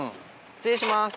失礼します。